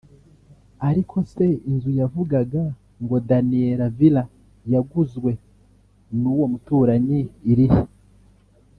Ariko se inzu yavugaga ngo daniela villaz yaguzwe n’uwo muturanyi irihe